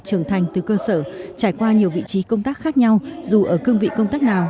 trưởng thành từ cơ sở trải qua nhiều vị trí công tác khác nhau dù ở cương vị công tác nào